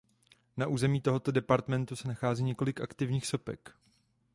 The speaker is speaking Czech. Na území tohoto departementu se nachází několik aktivních sopek.